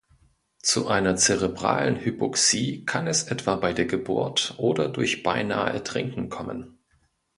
Zu einer zerebralen Hypoxie kann es etwa bei der Geburt oder durch Beinahe-Ertrinken kommen.